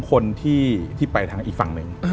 คนที่ไปทางอีกฝั่งหนึ่ง